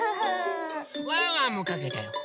ワンワンもかけたよ。